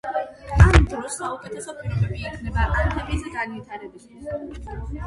ამ დროს საუკეთესო პირობები იქმნება ანთების განვითარებისთვის.